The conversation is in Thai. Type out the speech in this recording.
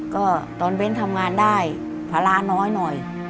ก็ตอนเบ้นทำงานได้ภาระน้อยหน่อย